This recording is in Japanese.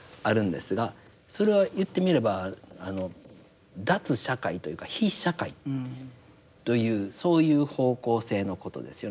それは言ってみればあの脱社会というか非社会というそういう方向性のことですよね。